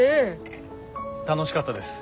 楽しかったです